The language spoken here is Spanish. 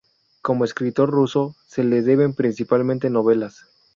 Como escritor ruso, se le deben principalmente novelas.